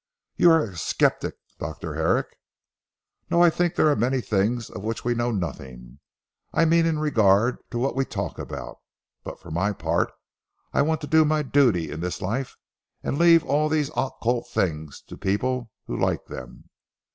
"You are a sceptic, Dr. Herrick." "No. I think there are many things of which we know nothing I mean in regard to what we talk about. But for my part I want to do my duty in this life and leave all these occult things to people who like them.